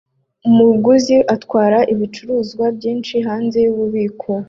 Umuguzi atwara ibicuruzwa byinshi hanze yububiko